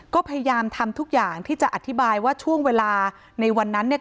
ก็พยายามทำทุกอย่างที่จะอธิบายว่าช่วงเวลาในวันนั้นเนี่ย